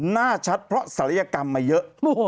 หน้าชัดเพราะศัลยกรรมมาเยอะ